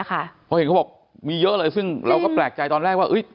เพราะเห็นเขาบอกมีเยอะเลยซึ่งเราก็แปลกใจตอนแรกว่า